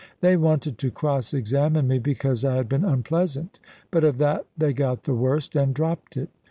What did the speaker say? They wanted to cross examine me, because I had been unpleasant, but of that they got the worst, and dropped it.